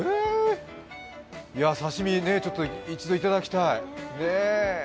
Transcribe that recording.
刺身、１度いただきたい。